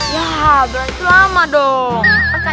ya berarti lama dong